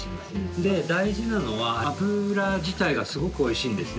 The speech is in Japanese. で大事なのは脂自体がすごくおいしいんですね